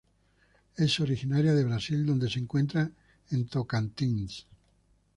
Es originaria de Brasil donde se encuentra en Tocantins.